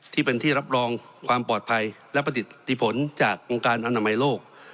ที่เป็นที่รับรองความปลอดภัยและประสิทธิผลจากองค์การอนามัยโลก